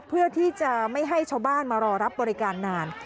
เพื่อที่จะไม่ให้ชาวบ้านมารอรับบริการนาน